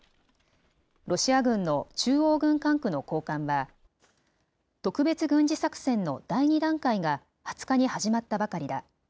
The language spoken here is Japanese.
ロシア軍の中央軍管区の高官は、特別軍事作戦の第２段階が２０日に始まったばかりだ。